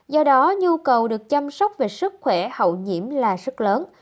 do đó nhu cầu được chăm sóc về sức khỏe hậu nhiễm là rất lớn